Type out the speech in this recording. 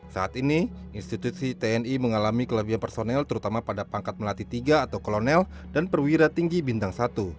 saat ini institusi tni mengalami kelebihan personel terutama pada pangkat melati tiga atau kolonel dan perwira tinggi bintang satu